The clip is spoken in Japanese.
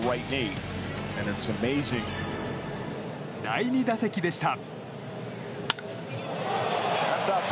第２打席でした。